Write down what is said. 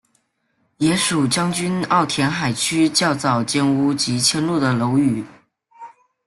也属将军澳填海区较早建屋及迁入的楼宇。